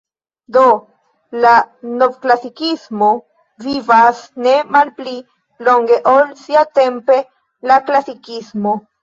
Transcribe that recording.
Do, la novklasikismo vivas ne malpli longe ol siatempe la klasikismo.